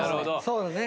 そうだね。